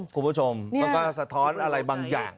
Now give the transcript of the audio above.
คุณผู้ชมมันก็สะท้อนอะไรบางอย่าง